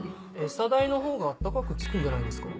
餌代のほうが高くつくんじゃないですか？